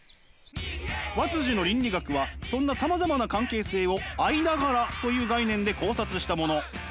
和の倫理学はそんなさまざまな関係性を「間柄」という概念で考察したもの。